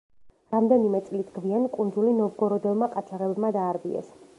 რამდენიმე წლით გვიან კუნძული ნოვგოროდელმა ყაჩაღებმა დაარბიეს.